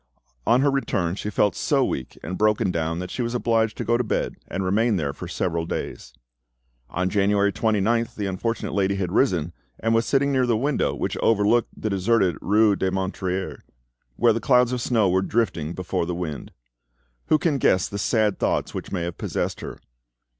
On her return she felt so weak and broken down that she was obliged to go to bed and remain there for several days. On January 29th the unfortunate lady had risen, and was sitting near the window which overlooked the deserted rue des Menetriers, where clouds of snow were drifting before the wind. Who can guess the sad thoughts which may have possessed her?